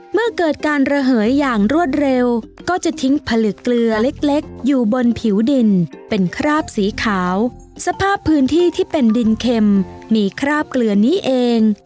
เมื่อเกิดการระเหยอย่างรวดเร็วก็จะทิ้งผลึกเกลือเล็กอยู่บนผิวดินเป็นคราบสีขาวสภาพพื้นที่ที่เป็นดินเข็มมีคราบเกลือนี้เอง